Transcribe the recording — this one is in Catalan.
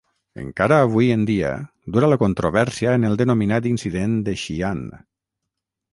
Encara avui en dia dura la controvèrsia en el denominat Incident de Xi'an.